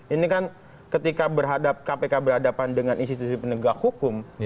ini kan ketika berhadap kpk berhadapan dengan institusi penegak hukum